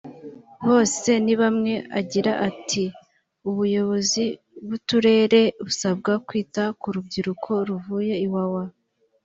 Bosenibamwe agira ati” Ubuyobozi bw’uturere busabwa kwita ku rubyiruko ruvuye Iwawa